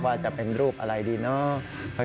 ว่าจะเป็นรูปอะไรดีเนาะ